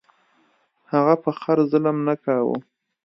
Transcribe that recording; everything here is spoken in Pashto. هغه په خر ظلم نه کاوه.